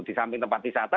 di samping tempat wisata